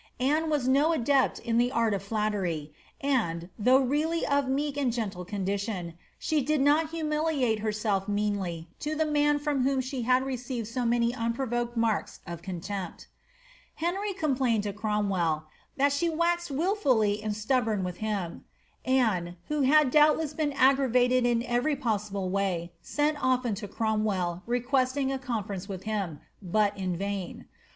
Anne wu no adept in the art of flattery, and, though really ^^ of meek and gentle condition," she did not humiliate herself meanly to the man firom whom she had received so many unprovoked marks of contempt. Henry complained to Cromwell ^^ that she waxed wilful and stubboro with him." ' Anne, who had doubUess been aggravated in every possi ble way, sent often to Cromwell, requesting a conference with him, but in vain.